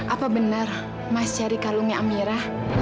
apa benar mas cari kalungnya amira